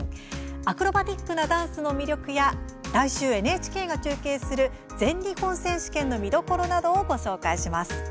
アクロバティックなダンスの魅力や来週ＮＨＫが中継する全日本選手権の見どころなどを紹介します。